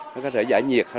nó có thể giải nhiệt